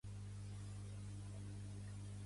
No sé on cau Gata de Gorgos.